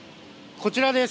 こちらです。